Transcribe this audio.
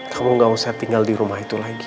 kamu gak usah tinggal di rumah itu lagi